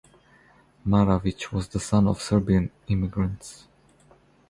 Maravich was the son of Serbian immigrants.